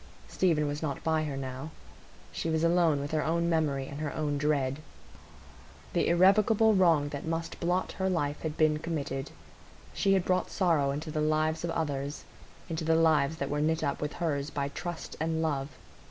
Stephen was not by her now; she was alone with her own memory and her own dread. The irrevocable wrong that must blot her life had been committed; she had brought sorrow into the lives of others,—into the lives that were knit up with hers by trust and love.